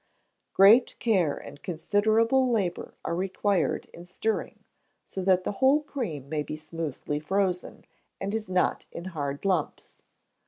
Great care and considerable labour are required in stirring, so that the whole cream may be smoothly frozen, and not in hard lumps.